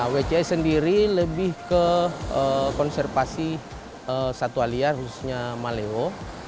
wcs sendiri lebih ke konservasi satwa liar khususnya maleo